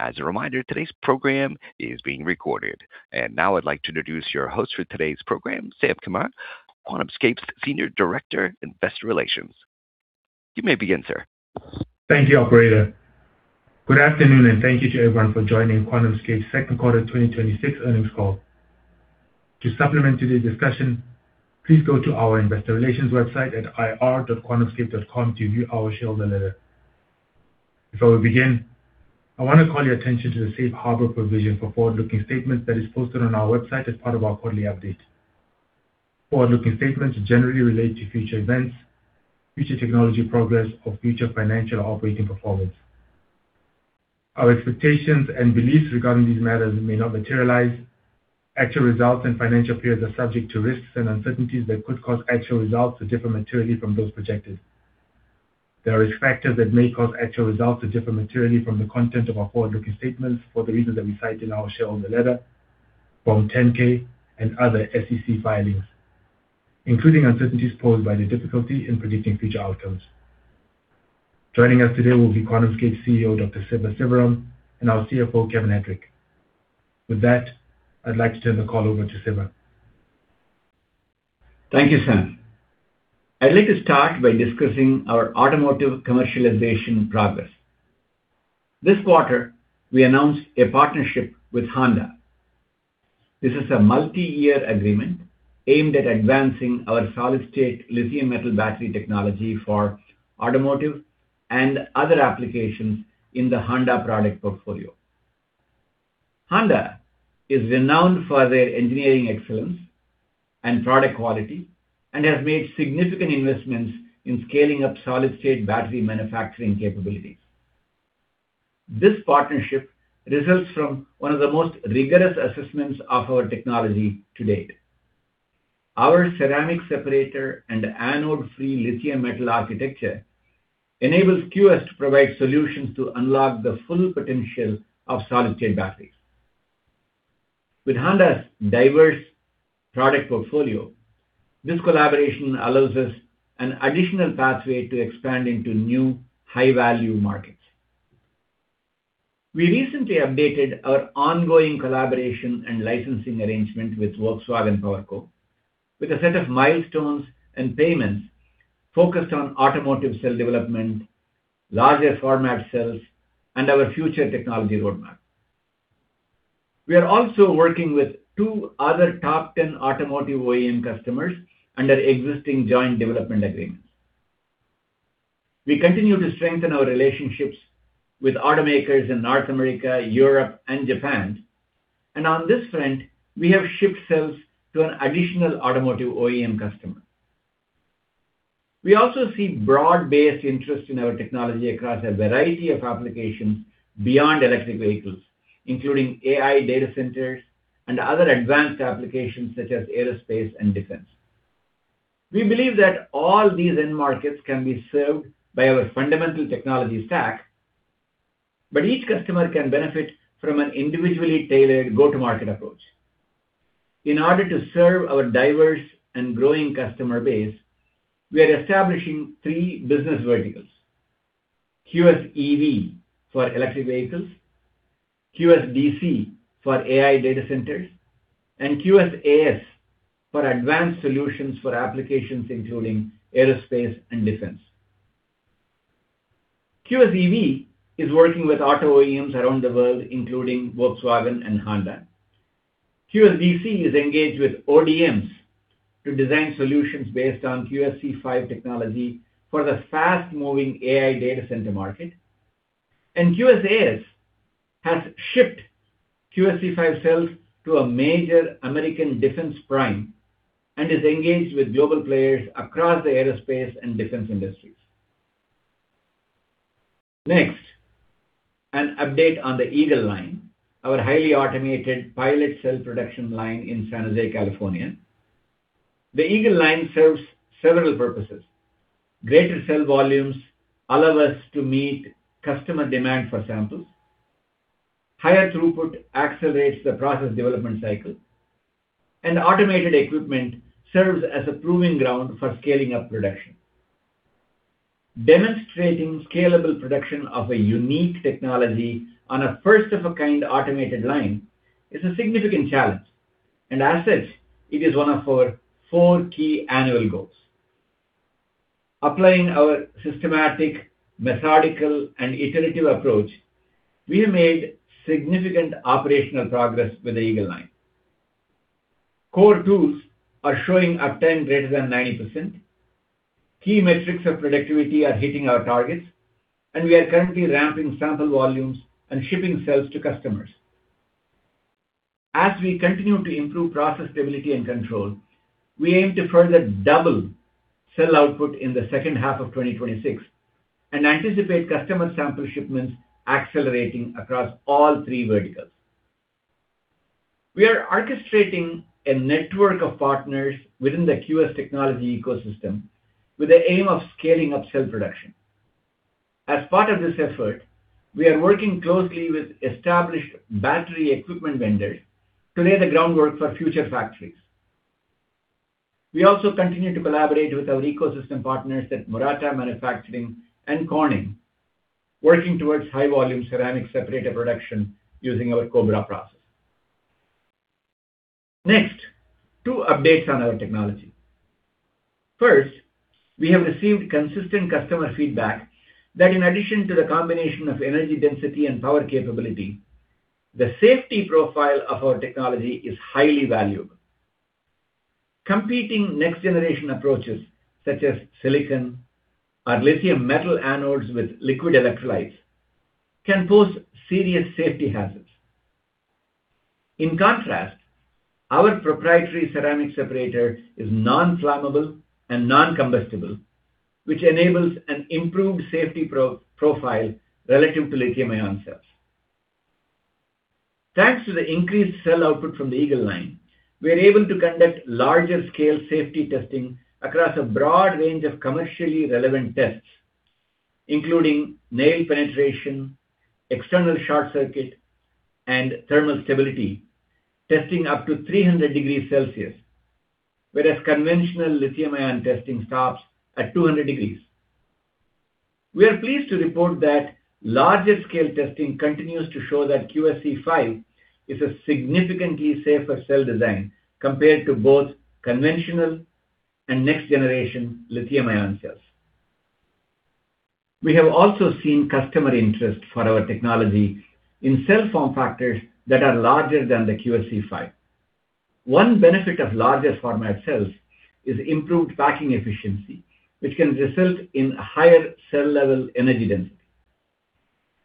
As a reminder, today's program is being recorded. Now I'd like to introduce your host for today's program, Sanjiv Kamath, QuantumScape's Senior Director, Investor Relations. You may begin, sir. Thank you, operator. Good afternoon, and thank you to everyone for joining QuantumScape's second-quarter 2026 earnings call. To supplement today's discussion, please go to our investor relations website at ir.quantumscape.com to view our shareholder letter. Before we begin, I want to call your attention to the Safe Harbor provision for forward-looking statements that is posted on our website as part of our quarterly update. Forward-looking statements generally relate to future events, future technology progress, or future financial or operating performance. Our expectations and beliefs regarding these matters may not materialize. Actual results and financial periods are subject to risks and uncertainties that could cause actual results to differ materially from those projected. There are risk factors that may cause actual results to differ materially from the content of our forward-looking statements for the reasons that we cite in our shareholder letter, Form 10-K, and other SEC filings, including uncertainties posed by the difficulty in predicting future outcomes. Joining us today will be QuantumScape's CEO, Dr. Siva Sivaram, and our CFO, Kevin Hettrich. With that, I'd like to turn the call over to Siva. Thank you, San. I'd like to start by discussing our automotive commercialization progress. This quarter, we announced a partnership with Honda. This is a multi-year agreement aimed at advancing our solid-state lithium metal battery technology for automotive and other applications in the Honda product portfolio. Honda is renowned for their engineering excellence and product quality and has made significant investments in scaling up solid-state battery manufacturing capabilities. This partnership results from one of the most rigorous assessments of our technology to date. Our ceramic separator and anode-free lithium metal architecture enables QS to provide solutions to unlock the full potential of solid-state batteries. With Honda's diverse product portfolio, this collaboration allows us an additional pathway to expand into new high-value markets. We recently updated our ongoing collaboration and licensing arrangement with Volkswagen PowerCo with a set of milestones and payments focused on automotive cell development, larger-format cells, and our future technology roadmap. We are also working with two other top-10 automotive OEM customers under existing joint development agreements. We continue to strengthen our relationships with automakers in North America, Europe, and Japan. On this front, we have shipped cells to an additional automotive OEM customer. We also see broad-based interest in our technology across a variety of applications beyond electric vehicles, including AI data centers and other advanced applications such as aerospace and defense. We believe that all these end markets can be served by our fundamental technology stack, but each customer can benefit from an individually tailored go-to-market approach. In order to serve our diverse and growing customer base, we are establishing three business verticals: QSEV for electric vehicles, QSDC for AI data centers, and QSAS for advanced solutions for applications including aerospace and defense. QSEV is working with auto OEMs around the world, including Volkswagen and Honda. QSDC is engaged with ODMs to design solutions based on QSE-5 technology for the fast-moving AI data center market. QSAS has shipped QSE-5 cells to a major American defense prime and is engaged with global players across the aerospace and defense industries. Next, an update on the Eagle Line, our highly automated pilot cell production line in San Jose, California. The Eagle Line serves several purposes. Greater cell volumes allow us to meet customer demand for samples, higher throughput accelerates the process development cycle, and automated equipment serves as a proving ground for scaling up production. Demonstrating scalable production of a unique technology on a first-of-a-kind automated line is a significant challenge, and as such, it is one of our four key annual goals. Applying our systematic, methodical, and iterative approach, we have made significant operational progress with the Eagle Line. Core tools are showing uptime greater than 90%. Key metrics of productivity are hitting our targets, and we are currently ramping sample volumes and shipping cells to customers. As we continue to improve process stability and control, we aim to further double cell output in the second half of 2026 and anticipate customer sample shipments accelerating across all three verticals. We are orchestrating a network of partners within the QS technology ecosystem with the aim of scaling up cell production. As part of this effort, we are working closely with established battery equipment vendors to lay the groundwork for future factories. We also continue to collaborate with our ecosystem partners at Murata Manufacturing and Corning, working towards high-volume ceramic separator production using our Cobra process. Next, two updates on our technology. First, we have received consistent customer feedback that in addition to the combination of energy density and power capability, the safety profile of our technology is highly valuable. Competing next-generation approaches such as silicon or lithium metal anodes with liquid electrolytes, can pose serious safety hazards. In contrast, our proprietary ceramic separator is non-flammable and non-combustible, which enables an improved safety profile relative to lithium-ion cells. Thanks to the increased cell output from the Eagle Line, we are able to conduct larger scale safety testing across a broad range of commercially relevant tests, including nail penetration, external short circuit, and thermal stability testing up to 300 degrees Celsius, whereas conventional lithium-ion testing stops at 200 degrees. We are pleased to report that larger-scale testing continues to show that QSE-5 is a significantly safer cell design compared to both conventional and next-generation lithium-ion cells. We have also seen customer interest for our technology in cell form factors that are larger than the QSE-5. One benefit of larger-format cells is improved packing efficiency, which can result in higher cell-level energy density.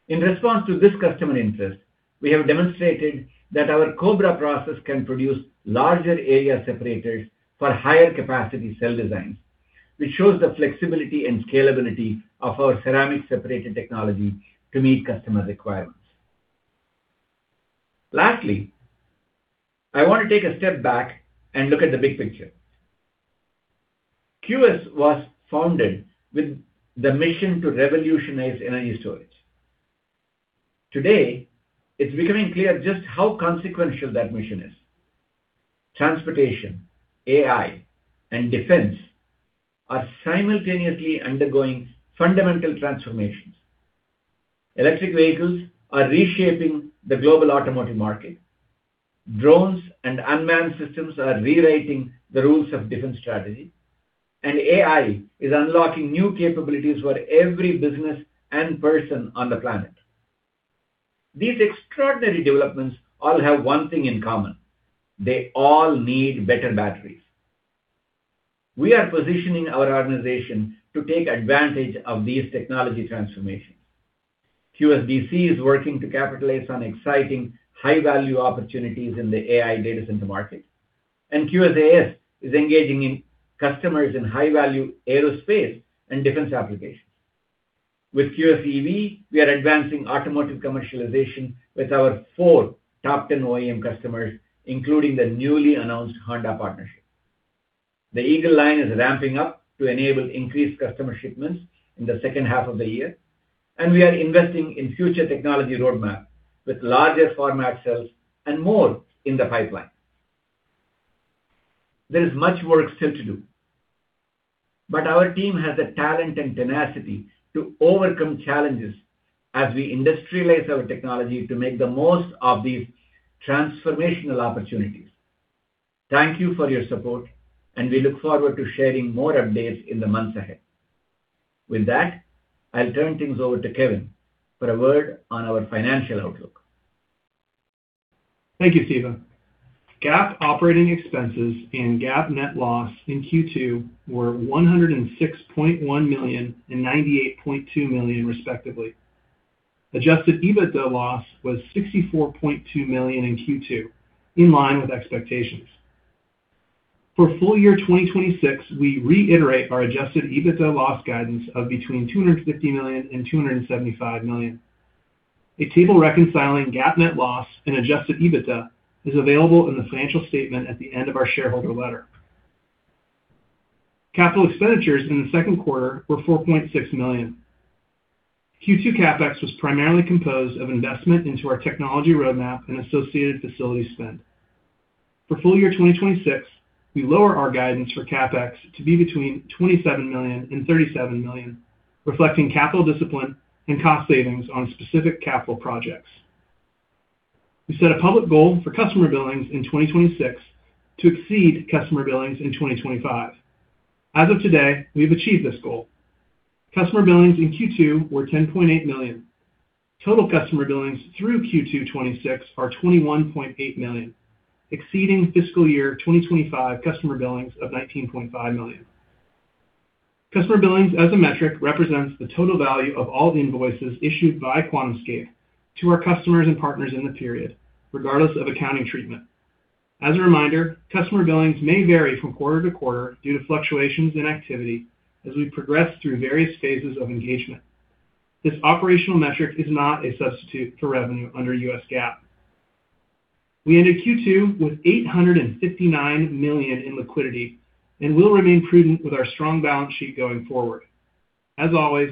In response to this customer interest, we have demonstrated that our Cobra process can produce larger-area separators for higher-capacity cell designs, which shows the flexibility and scalability of our ceramic separated technology to meet customer requirements. Lastly, I want to take a step back and look at the big picture. QS was founded with the mission to revolutionize energy storage. Today, it’s becoming clear just how consequential that mission is. Transportation, AI, and defense are simultaneously undergoing fundamental transformations. Electric vehicles are reshaping the global automotive market. Drones and unmanned systems are rewriting the rules of defense strategy. AI is unlocking new capabilities for every business and person on the planet. These extraordinary developments all have one thing in common. They all need better batteries. We are positioning our organization to take advantage of these technology transformations. QSDC is working to capitalize on exciting high value opportunities in the AI data center market, QSAS is engaging in customers in high value aerospace and defense applications. With QSEV, we are advancing automotive commercialization with our four top 10 OEM customers, including the newly announced Honda partnership. The Eagle Line is ramping up to enable increased customer shipments in the second half of the year. We are investing in future technology roadmap with larger format cells and more in the pipeline. There is much work still to do, but our team has the talent and tenacity to overcome challenges as we industrialize our technology to make the most of these transformational opportunities. Thank you for your support. We look forward to sharing more updates in the months ahead. With that, I’ll turn things over to Kevin for a word on our financial outlook. Thank you, Siva. GAAP operating expenses and GAAP net loss in Q2 were $106.1 million and $98.2 million respectively. Adjusted EBITDA loss was $64.2 million in Q2, in line with expectations. For full-year 2026, we reiterate our Adjusted EBITDA loss guidance of between $250 million and $275 million. A table reconciling GAAP net loss and Adjusted EBITDA is available in the financial statement at the end of our shareholder letter. Capital expenditures in the second quarter were $4.6 million. Q2 CapEx was primarily composed of investment into our technology roadmap and associated facility spend. For full-year 2026, we lower our guidance for CapEx to be between $27 million and $37 million, reflecting capital discipline and cost savings on specific capital projects. We set a public goal for customer billings in 2026 to exceed customer billings in 2025. As of today, we have achieved this goal. Customer billings in Q2 were $10.8 million. Total customer billings through Q2 2026 are $21.8 million, exceeding fiscal-year 2025 customer billings of $19.5 million. Customer billings as a metric represents the total value of all invoices issued by QuantumScape to our customers and partners in the period, regardless of accounting treatment. As a reminder, customer billings may vary from quarter to quarter due to fluctuations in activity as we progress through various phases of engagement. This operational metric is not a substitute for revenue under US GAAP. We ended Q2 with $859 million in liquidity and will remain prudent with our strong balance sheet going forward. As always,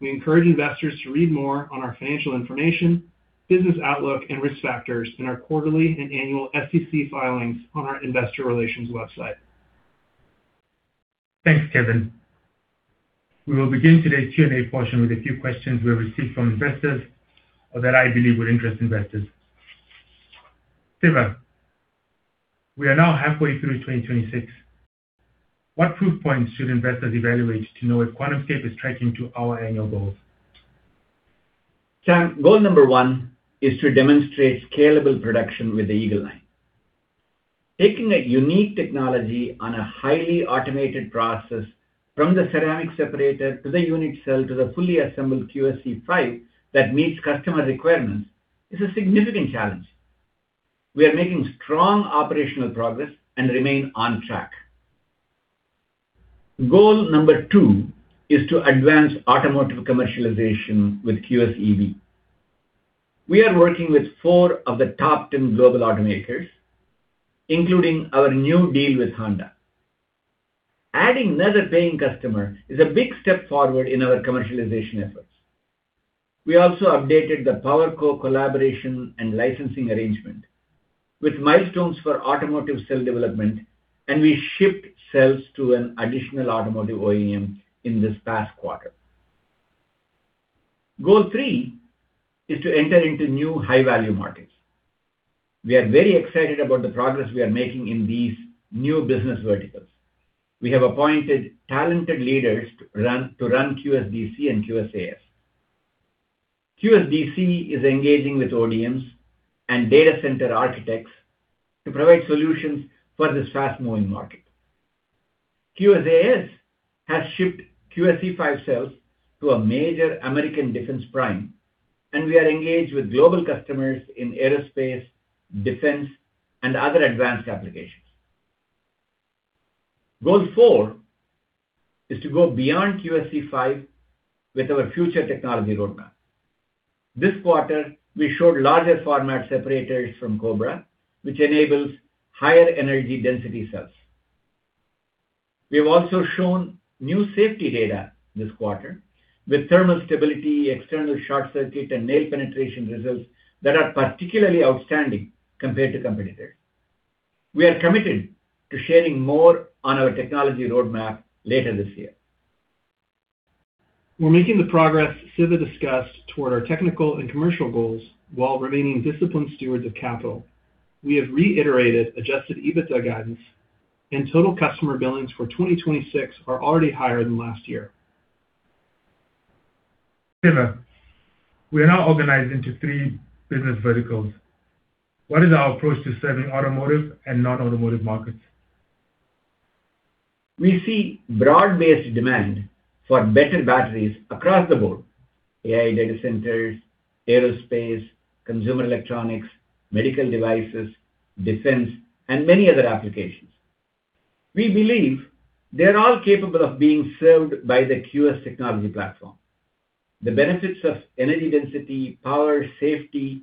we encourage investors to read more on our financial information, business outlook, and risk factors in our quarterly and annual SEC filings on our investor relations website. Thanks, Kevin. We will begin today's Q&A portion with a few questions we have received from investors or that I believe will interest investors. Siva, we are now halfway through 2026. What proof points should investors evaluate to know if QuantumScape is tracking to our annual goals? San, goal number one is to demonstrate scalable production with the Eagle Line. Taking a unique technology on a highly automated process from the ceramic separator to the unit cell to the fully assembled QSE-5 that meets customer requirements is a significant challenge. We are making strong operational progress and remain on track. Goal number two is to advance automotive commercialization with QSEV. We are working with four of the top 10 global automakers, including our new deal with Honda. Adding another paying customer is a big step forward in our commercialization efforts. We also updated the PowerCo collaboration and licensing arrangement with milestones for automotive cell development, and we shipped cells to an additional automotive OEM in this past quarter. Goal three is to enter into new high-value markets. We are very excited about the progress we are making in these new business verticals. We have appointed talented leaders to run QSDC and QSAS. QSDC is engaging with OEMs and data center architects to provide solutions for this fast-moving market. QSAS has shipped QSE-5 cells to a major American defense prime, and we are engaged with global customers in aerospace, defense, and other advanced applications. Goal four is to go beyond QSE-5 with our future technology roadmap. This quarter, we showed larger format separators from Cobra, which enables higher energy density cells. We have also shown new safety data this quarter with thermal stability, external short-circuit, and nail penetration results that are particularly outstanding compared to competitors. We are committed to sharing more on our technology roadmap later this year. We're making the progress Siva discussed toward our technical and commercial goals while remaining disciplined stewards of capital. We have reiterated Adjusted EBITDA guidance and total customer billings for 2026 are already higher than last year. Siva, we are now organized into three business verticals. What is our approach to serving automotive and non-automotive markets? We see broad-based demand for better batteries across the board: AI data centers, aerospace, consumer electronics, medical devices, defense, and many other applications. We believe they're all capable of being served by the QS technology platform. The benefits of energy density, power, safety,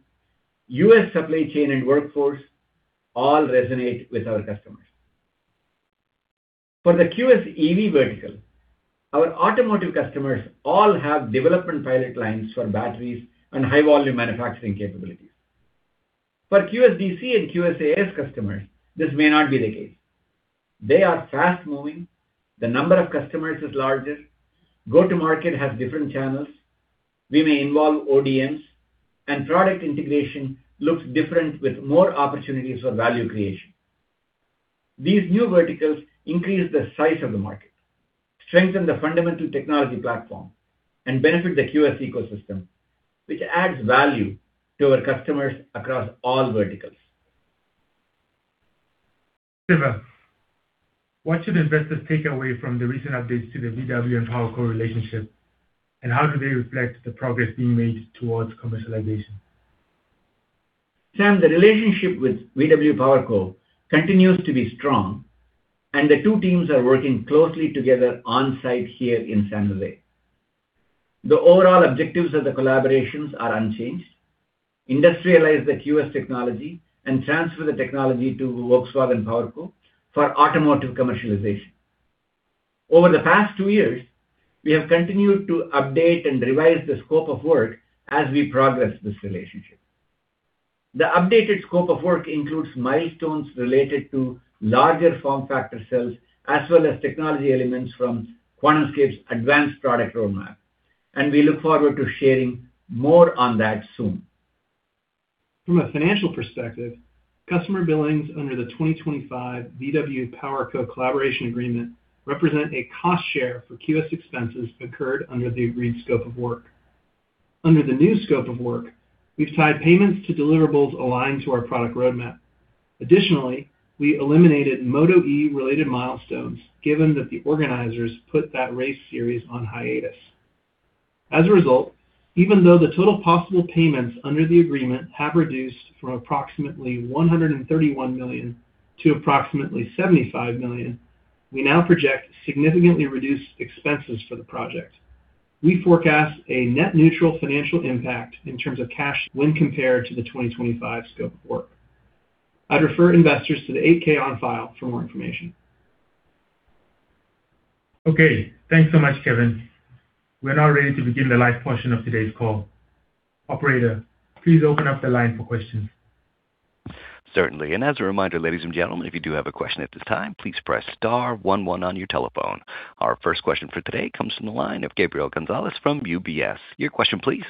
U.S. supply chain, and workforce all resonate with our customers. For the QSEV vertical, our automotive customers all have development pilot lines for batteries and high-volume manufacturing capabilities. For QSDC and QSAS customers, this may not be the case. They are fast-moving, the number of customers is larger, go-to-market has different channels, we may involve ODMs, and product integration looks different with more opportunities for value creation. These new verticals increase the size of the market, strengthen the fundamental technology platform, and benefit the QS ecosystem, which adds value to our customers across all verticals. Siva, what should investors take away from the recent updates to the Volkswagen and PowerCo relationship, and how do they reflect the progress being made towards commercialization? Sanjiv, the relationship with PowerCo SE continues to be strong, and the two teams are working closely together on-site here in San Jose. The overall objectives of the collaborations are unchanged. Industrialize the QS technology and transfer the technology to Volkswagen PowerCo for automotive commercialization. Over the past two years, we have continued to update and revise the scope of work as we progress this relationship. The updated scope of work includes milestones related to larger form factor cells, as well as technology elements from QuantumScape's advanced product roadmap. We look forward to sharing more on that soon. From a financial perspective, customer billings under the 2025 VW PowerCo collaboration agreement represent a cost share for QS expenses incurred under the agreed scope of work. Under the new scope of work, we've tied payments to deliverables aligned to our product roadmap. Additionally, we eliminated MotoE related milestones, given that the organizers put that race series on hiatus. As a result, even though the total possible payments under the agreement have reduced from approximately $131 million to approximately $75 million, we now project significantly reduced expenses for the project. We forecast a net neutral financial impact in terms of cash when compared to the 2025 scope of work. I'd refer investors to the 8-K on file for more information. Okay. Thanks so much, Kevin. We're now ready to begin the live portion of today's call. Operator, please open up the line for questions. Certainly. As a reminder, ladies and gentlemen, if you do have a question at this time, please press star one one on your telephone. Our first question for today comes from the line of Gabriel Gonzales from UBS. Your question please.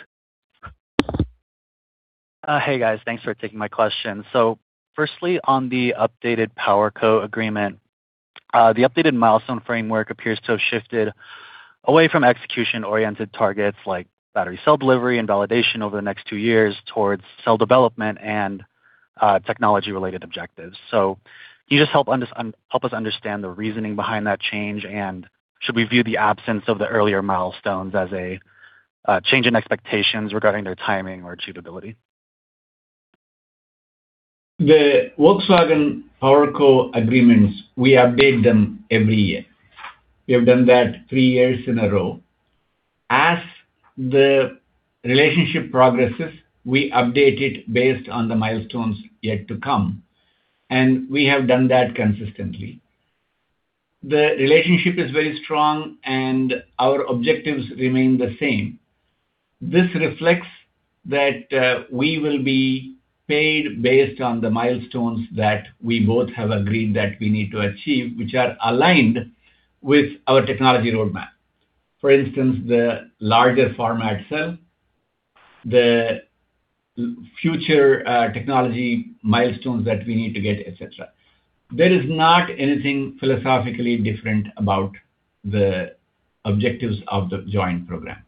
Firstly, on the updated PowerCo agreement, the updated milestone framework appears to have shifted away from execution-oriented targets like battery cell delivery and validation over the next two years towards cell development and technology-related objectives. Can you just help us understand the reasoning behind that change? Should we view the absence of the earlier milestones as a change in expectations regarding their timing or achievability? The Volkswagen PowerCo agreements, we update them every year. We have done that three years in a row. As the relationship progresses, we update it based on the milestones yet to come. We have done that consistently. The relationship is very strong. Our objectives remain the same. This reflects that we will be paid based on the milestones that we both have agreed that we need to achieve, which are aligned with our technology roadmap. For instance, the larger-format cell, the future technology milestones that we need to get, etc. There is not anything philosophically different about the objectives of the joint program.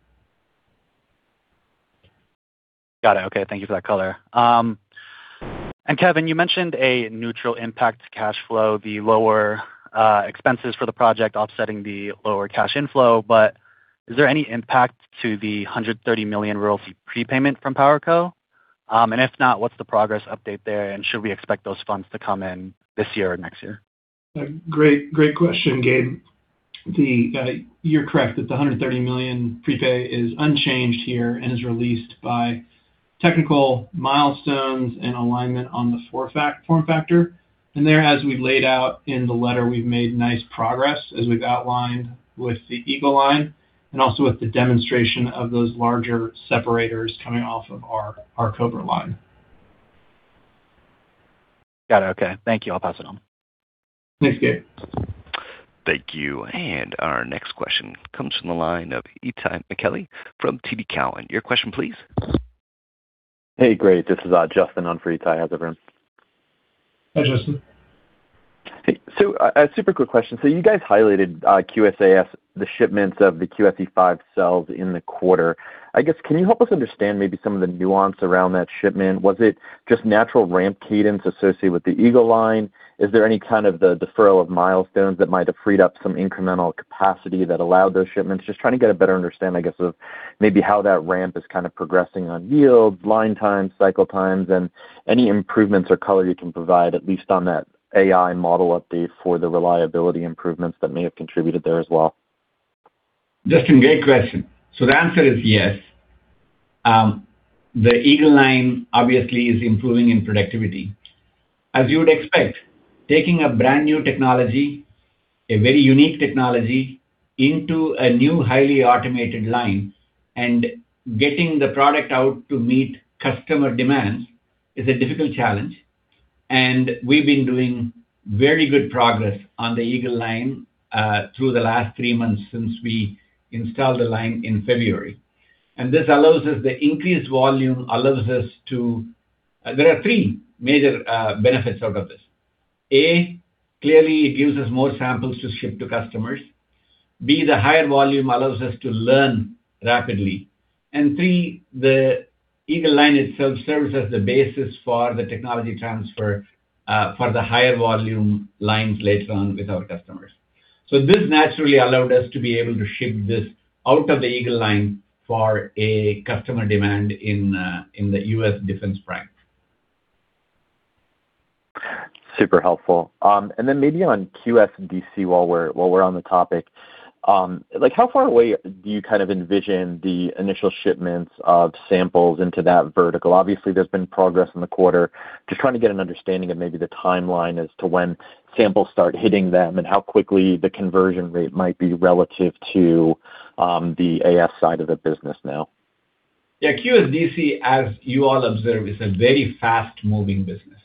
Got it. Okay, thank you for that color. Kevin, you mentioned a neutral impact cash flow, the lower expenses for the project offsetting the lower cash inflow. Is there any impact to the $130 million royalty prepayment from PowerCo? If not, what's the progress update there? Should we expect those funds to come in this year or next year? Great question, Gabe. You're correct. The $130 million prepay is unchanged here and is released by technical milestones and alignment on the form-factor. There, as we laid out in the letter, we've made nice progress as we've outlined with the Eagle Line and also with the demonstration of those larger separators coming off of our Cobra line. Got it. Okay. Thank you. I'll pass it on. Thanks, Gabe. Thank you. Our next question comes from the line of Itai Michaeli from TD Cowen. Your question please. Hey, great. This is Justin on for Itai. How's everyone? Hi, Justin. Hey, a super-quick question. You guys highlighted, QSAS, the shipments of the QSE-5 cells in the quarter. I guess, can you help us understand maybe some of the nuance around that shipment? Was it just natural ramp cadence associated with the Eagle Line? Is there any kind of the deferral of milestones that might have freed up some incremental capacity that allowed those shipments? Just trying to get a better understanding, I guess, of maybe how that ramp is kind of progressing on yield, line times, cycle times, and any improvements or color you can provide, at least on that AI model update for the reliability improvements that may have contributed there as well. Justin, great question. The answer is yes. The Eagle Line obviously is improving in productivity. As you would expect, taking a brand-new technology, a very unique technology, into a new highly automated line and getting the product out to meet customer demands is a difficult challenge, and we've been doing very good progress on the Eagle Line, through the last three months since we installed the line in February. The increased volume allows us to. There are three major benefits out of this. A, clearly it gives us more samples to ship to customers; B, the higher volume allows us to learn rapidly; C, the Eagle Line itself serves as the basis for the technology transfer for the higher-volume lines later on with our customers. This naturally allowed us to be able to ship this out of the Eagle Line for a customer demand in the U.S. defense prime. Super helpful. Maybe on QSDC while we're on the topic: How far away do you kind of envision the initial shipments of samples into that vertical? Obviously, there's been progress in the quarter. Just trying to get an understanding of maybe the timeline as to when samples start hitting them and how quickly the conversion rate might be relative to the QSAS side of the business now. QSDC, as you all observe, is a very fast-moving business,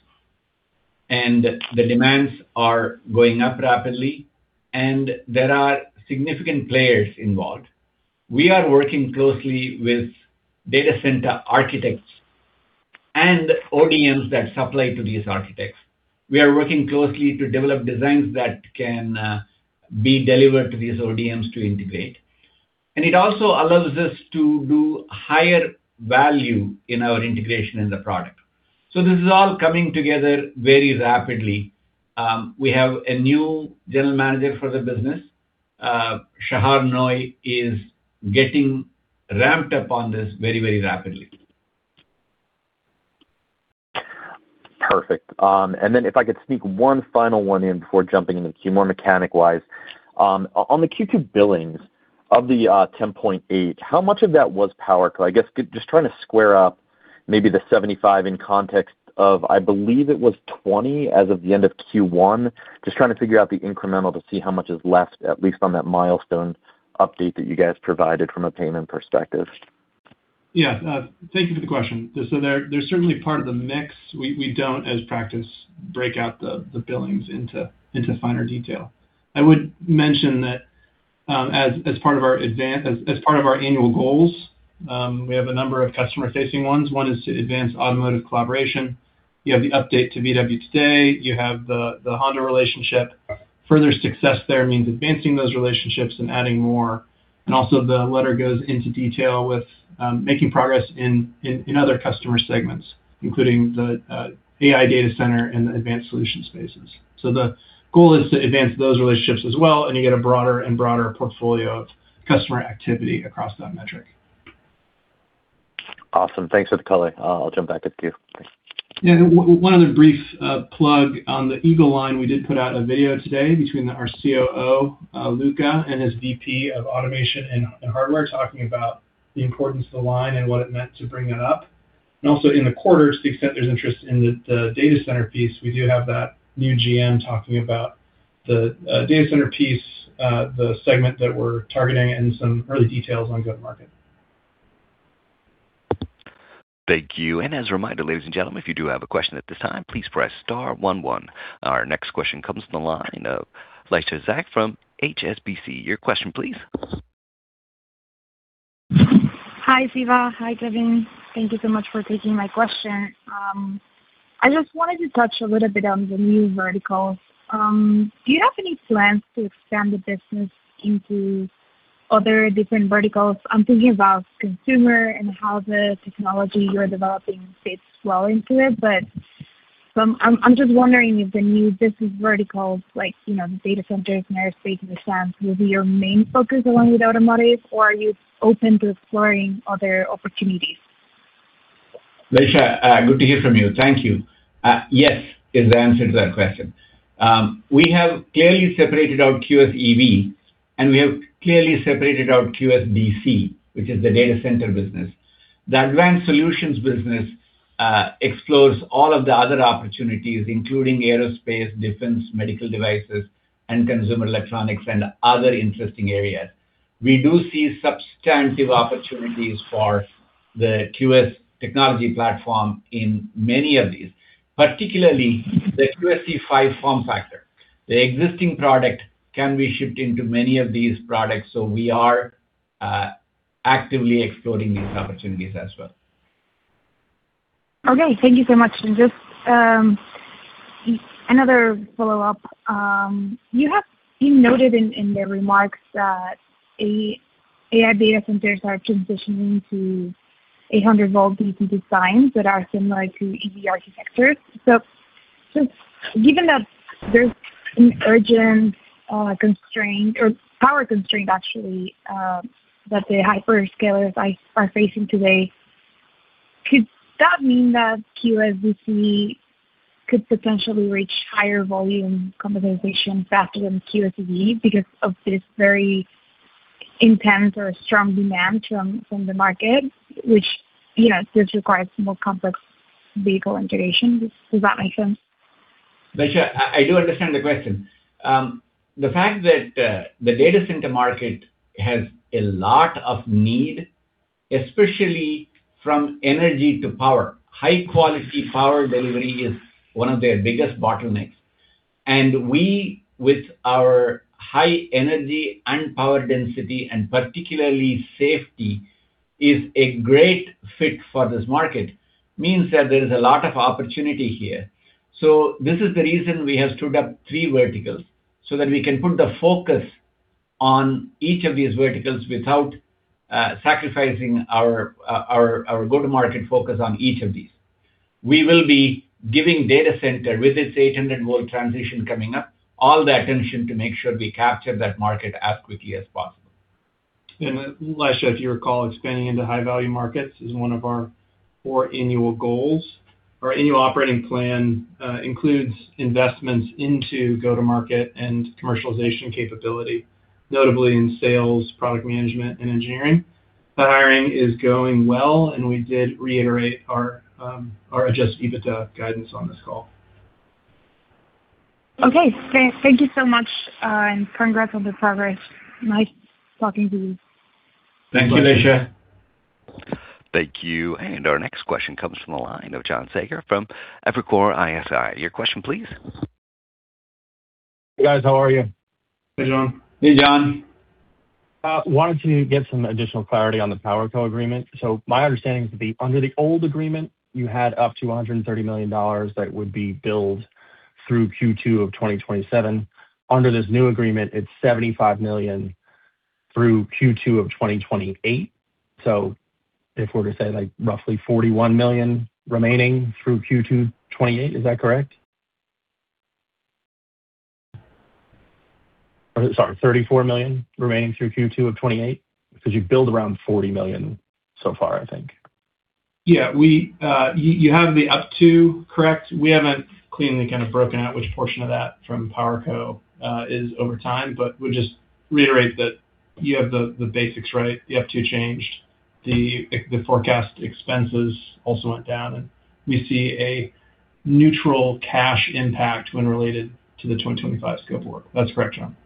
and the demands are going up rapidly, and there are significant players involved. We are working closely with data center architects and ODMs that supply to these architects. We are working closely to develop designs that can be delivered to these ODMs to integrate. It also allows us to do higher value in our integration in the product. This is all coming together very rapidly. We have a new General Manager for the business; Shahar Noy is getting ramped up on this very rapidly. Perfect. If I could sneak one final one in before jumping into queue, more mechanic-wise. On the Q2 billings of the $10.8, how much of that was PowerCo? I guess, just trying to square up maybe the $75 in context of, I believe it was $20 as of the end of Q1. Just trying to figure out the incremental to see how much is left, at least on that milestone update that you guys provided from a payment perspective. Thank you for the question. They're certainly part of the mix. We don't, as practice, break out the billings into finer detail. I would mention that as part of our annual goals, we have a number of customer-facing ones. One is to advance automotive collaboration. You have the update to Volkswagen today. You have the Honda relationship. Further success there means advancing those relationships and adding more. Also, the letter goes into detail with making progress in other customer segments, including the AI data center and the advanced solution spaces. The goal is to advance those relationships as well, and you get a broader and broader portfolio of customer activity across that metric. Awesome. Thanks for the color. I'll jump back with you. Yeah. One other brief plug on the Eagle Line: we did put out a video today between our COO, Luca, and his VP of Automation and Hardware, talking about the importance of the line and what it meant to bring it up. Also, in the quarter, to the extent there's interest in the Data Center piece, we do have that new GM talking about the data center piece, the segment that we're targeting, and some early details on go-to-market. Thank you. As a reminder, ladies and gentlemen, if you do have a question at this time, please press star one one. Our next question comes from the line of Laisha Zaack from HSBC. Your question, please. Hi, Siva. Hi, Kevin. Thank you so much for taking my question. I just wanted to touch a little bit on the new verticals. Do you have any plans to expand the business into other different verticals? I'm thinking about consumer and how the technology you're developing fits well into it. I'm just wondering if the new business verticals like data centers and aerospace and defense will be your main focus along with automotive, or are you open to exploring other opportunities? Laisha, good to hear from you. Thank you. Yes is the answer to that question. We have clearly separated out QSEV, and we have clearly separated out QSDC, which is the data center business. The advanced solutions business explores all of the other opportunities, including aerospace, defense, medical devices, and consumer electronics, and other interesting areas. We do see substantive opportunities for the QS technology platform in many of these, particularly the QSC5 form factor. The existing product can be shipped into many of these products, so we are actively exploring these opportunities as well. Okay. Thank you so much. Just another follow-up. You have noted in the remarks that AI data centers are transitioning to 800 V DC designs that are similar to EV architectures. Given that there's an urgent constraint—or power constraint, actually—that the hyperscalers are facing today, could that mean that QSDC could potentially reach higher-volume capitalization faster than QSEV because of this very intense or strong demand from the market, which does require some more complex vehicle-integration? Does that make sense? Laisha, I do understand the question. The fact that the data center market has a lot of need, especially from energy to power, high-quality power delivery is one of their biggest bottlenecks. We, with our high energy and power density, and particularly safety, is a great fit for this market, means that there is a lot of opportunity here. This is the reason we have stood up three verticals so that we can put the focus on each of these verticals without sacrificing our go-to-market focus on each of these. We will be giving data center with its 800 V transition coming up, all the attention to make sure we capture that market as quickly as possible. Laisha, if you recall, expanding into high-value markets is one of our four annual goals. Our annual operating plan includes investments into go-to-market and commercialization capability, notably in sales, product management, and engineering. That hiring is going well, and we did reiterate our Adjusted EBITDA guidance on this call. Okay. Thank you so much, congrats on the progress. Nice talking to you. Thank you, Laisha. Thank you. Our next question comes from the line of John Saager from Evercore ISI. Your question, please. Hey, guys. How are you? Hey, John. Hey, John. Wanted to get some additional clarity on the PowerCo agreement. My understanding is that under the old agreement, you had up to $130 million that would be billed through Q2 of 2027. Under this new agreement, it's $75 million through Q2 of 2028. If we're to say roughly $41 million remaining through Q2 2028, is that correct? Or sorry, $34 million remaining through Q2 of 2028, because you've billed around $40 million so far, I think. Yeah. You have the up to correct. We haven't cleanly broken out which portion of that from PowerCo is over time, but would just reiterate that you have the basics right, the up to changed, the forecast expenses also went down, and we see a neutral cash impact when related to the 2025 scope work. That's correct, John.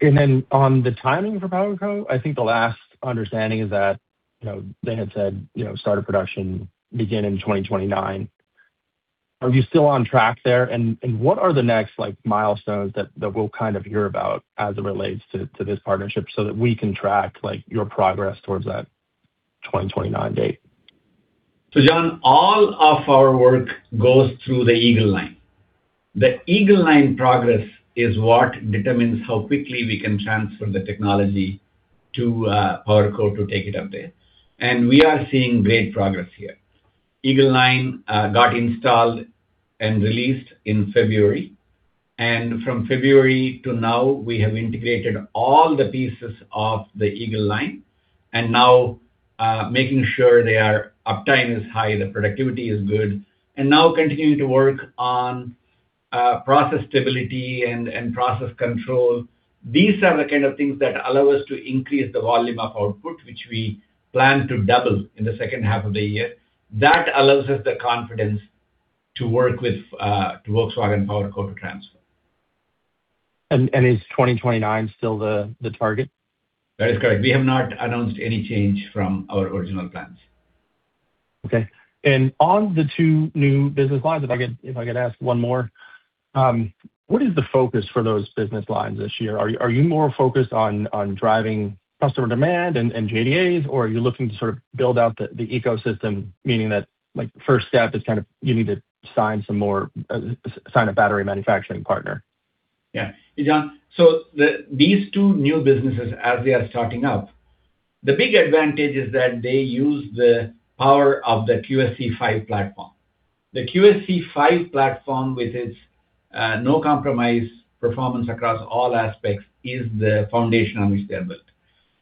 Then on the timing for PowerCo, I think the last understanding is that they had said start of production begin in 2029. Are you still on track there, and what are the next milestones that we'll hear about as it relates to this partnership so that we can track your progress towards that 2029 date? John, all of our work goes through the Eagle Line. The Eagle Line progress is what determines how quickly we can transfer the technology to PowerCo to take it up there. We are seeing great progress here. Eagle Line got installed and released in February, from February to now, we have integrated all the pieces of the Eagle Line, now making sure their uptime is high, the productivity is good, now continuing to work on process stability and process control. These are the kind of things that allow us to increase the volume of output, which we plan to double in the second half of the year. That allows us the confidence to work with Volkswagen PowerCo to transfer. Is 2029 still the target? That is correct. We have not announced any change from our original plans. Okay. On the two new business lines, if I could ask one more, what is the focus for those business lines this year? Are you more focused on driving customer demand and JDAs, or are you looking to build out the ecosystem, meaning that first step is you need to sign a battery manufacturing partner? Yeah. John, these two new businesses, as they are starting up, the big advantage is that they use the power of the QSE-5 platform. The QSE-5 platform, with its no-compromise performance across all aspects, is the foundation on which they are built.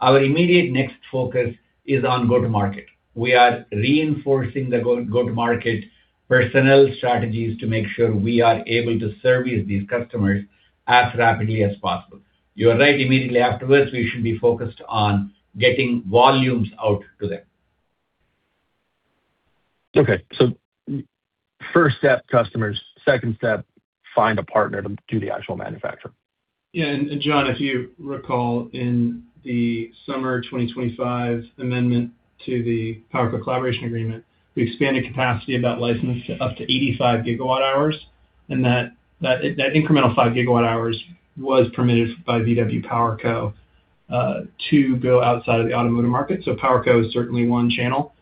Our immediate next focus is on go-to-market. We are reinforcing the go-to-market personnel strategies to make sure we are able to service these customers as rapidly as possible. You are right; immediately afterwards, we should be focused on getting volumes out to them. Okay. First step, customers. Second step, find a partner to do the actual manufacturing. Yeah. John, if you recall, in the summer 2025 amendment to the PowerCo collaboration agreement, we expanded capacity of that license up to 85 GWh, and that incremental 5 GWh was permitted by PowerCo SE to go outside of the automotive market. PowerCo is certainly one channel.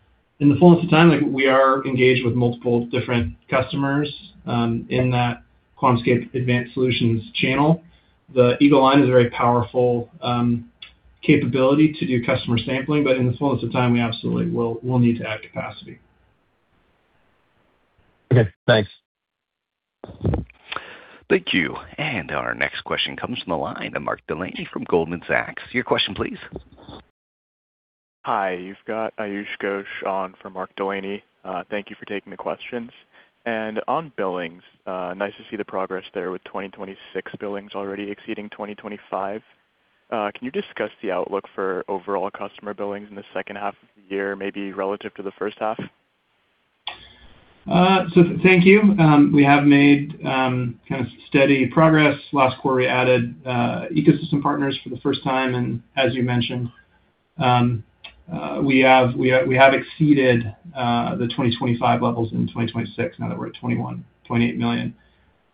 In the fullness of time, we are engaged with multiple different customers in that QuantumScape Advanced Solutions channel. The Eagle Line is a very powerful capability to do customer sampling, but in the fullness of time, we absolutely will need to add capacity. Okay, thanks. Thank you. Our next question comes from the line of Mark Delaney from Goldman Sachs. Your question, please. Hi, you've got Ayush Ghosh on for Mark Delaney. Thank you for taking the questions. On billings, nice to see the progress there with 2026 billings already exceeding 2025. Can you discuss the outlook for overall customer billings in the second half of the year, maybe relative to the first half? Thank you. We have made steady progress. Last quarter, we added ecosystem partners for the first time, and as you mentioned, we have exceeded the 2025 levels in 2026, now that we're at $28 million.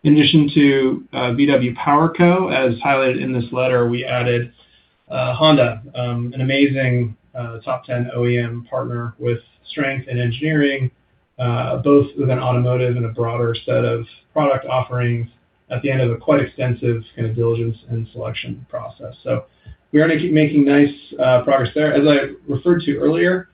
In addition to PowerCo SE, as highlighted in this letter, we added Honda, an amazing top 10 OEM partner with strength in engineering, both within automotive and a broader set of product offerings at the end of a quite extensive diligence and selection process. We're making nice progress there. As I referred to earlier,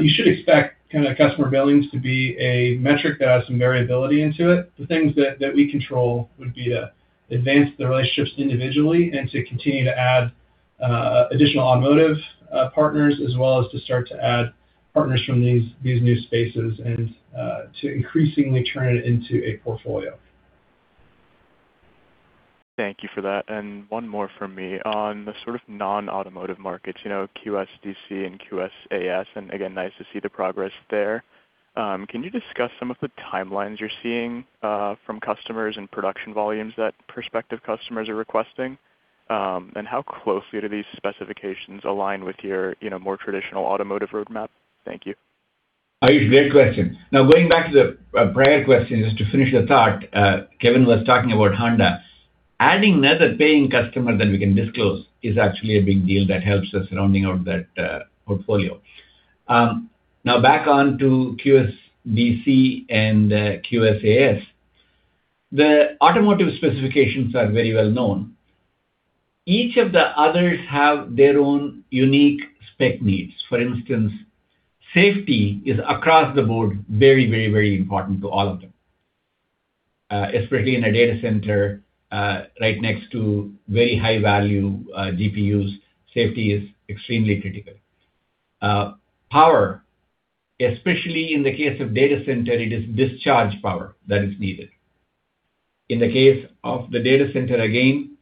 you should expect customer billings to be a metric that has some variability into it. The things that we control would be to advance the relationships individually and to continue to add additional automotive partners, as well as to start to add partners from these new spaces and to increasingly turn it into a portfolio. Thank you for that. One more from me. On the non-automotive markets, QSDC and QSAS. Again, nice to see the progress there. Can you discuss some of the timelines you're seeing from customers and production volumes that prospective customers are requesting? How closely do these specifications align with your more traditional automotive roadmap? Thank you. Ayush, great question. Going back to the prior question, just to finish the thought, Kevin was talking about Honda. Adding another paying customer that we can disclose is actually a big deal that helps us rounding out that portfolio. Back onto QSDC and QSAS: the automotive specifications are very well known. Each of the others have their own unique spec needs. For instance, safety is across the board very important to all of them. Especially in a data center right next to very high-value GPUs, safety is extremely critical. Power, especially in the case of data center, it is discharge power that is needed. In the case of the data center, again,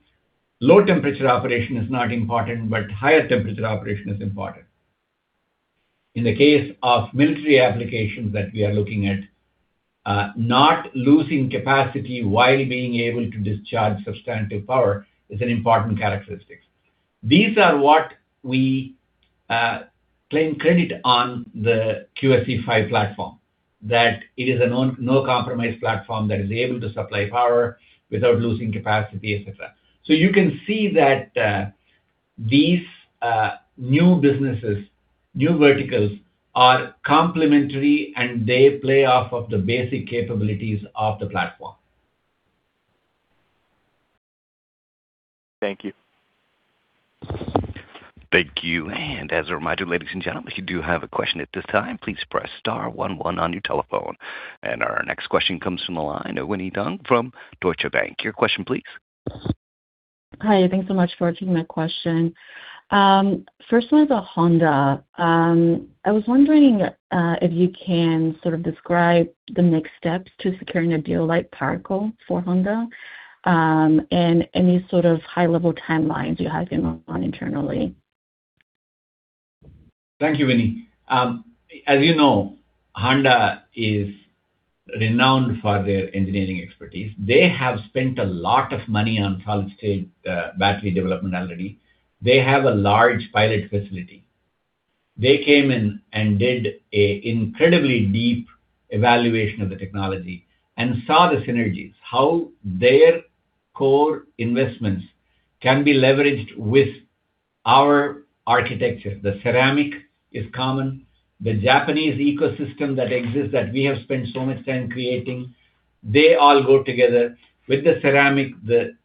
low-temperature operation is not important, but higher-temperature operation is important. In the case of military applications that we are looking at, not losing capacity while being able to discharge substantive power is an important characteristic. These are what we claim credit on the QSE-5 platform—that it is a no-compromise platform that is able to supply power without losing capacity, etc. You can see that these new businesses, new verticals, are complementary, and they play off of the basic capabilities of the platform. Thank you. Thank you. As a reminder, ladies and gentlemen, if you do have a question at this time, please press star one one on your telephone. Our next question comes from the line of Winnie Dong from Deutsche Bank. Your question, please. Hi. Thanks so much for taking my question. First one is on Honda. I was wondering if you can sort of describe the next steps to securing a deal like PowerCo for Honda, any sort of high-level timelines you have in mind internally. Thank you, Winnie. As you know, Honda is renowned for their engineering expertise. They have spent a lot of money on solid-state battery development already. They have a large pilot facility. They came in and did an incredibly deep evaluation of the technology and saw the synergies—how their core investments can be leveraged with our architecture. The ceramic is common. The Japanese ecosystem that exists that we have spent so much time creating, they all go together with the ceramic, the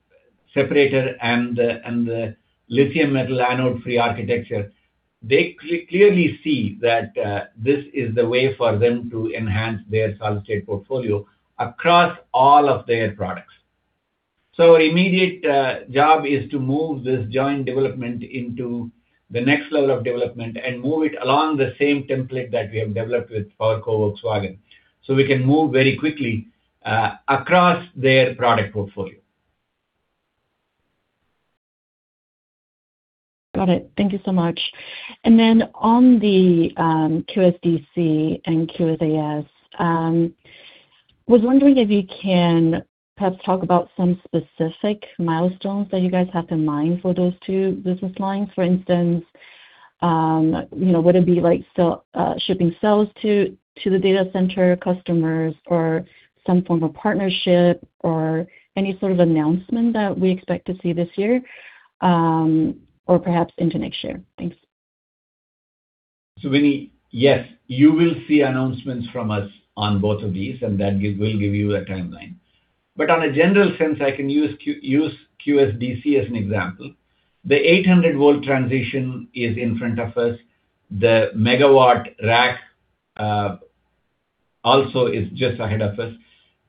separator, and the lithium-metal anode-free architecture. They clearly see that this is the way for them to enhance their solid-state portfolio across all of their products. The immediate job is to move this joint development into the next level of development and move it along the same template that we have developed with PowerCo Volkswagen, so we can move very quickly across their product portfolio. Got it. Thank you so much. On the QSDC and QSAS, was wondering if you can perhaps talk about some specific milestones that you guys have in mind for those two business lines. For instance, would it be like shipping cells to the data center customers or some form of partnership or any sort of announcement that we expect to see this year, or perhaps into next year? Thanks. Winnie, yes, you will see announcements from us on both of these, and that will give you a timeline. On a general sense, I can use QSDC as an example. The 800 V transition is in front of us. The megawatt rack also is just ahead of us.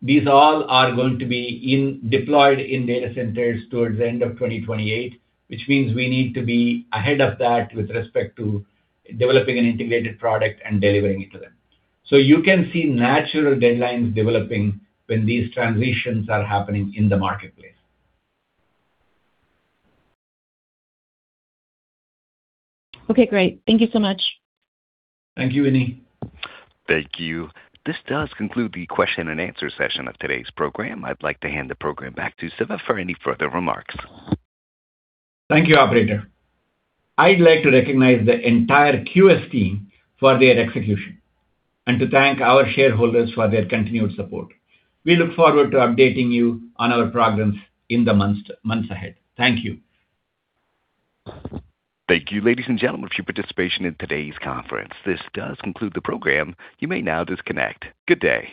These all are going to be deployed in data centers towards the end of 2028, which means we need to be ahead of that with respect to developing an integrated product and delivering it to them. You can see natural deadlines developing when these transitions are happening in the marketplace. Great. Thank you so much. Thank you, Winnie. Thank you. This does conclude the question and answer session of today's program. I'd like to hand the program back to Siva for any further remarks. Thank you, operator. I'd like to recognize the entire QS team for their execution and to thank our shareholders for their continued support. We look forward to updating you on our progress in the months ahead. Thank you. Thank you, ladies and gentlemen, for your participation in today's conference. This does conclude the program. You may now disconnect. Good day.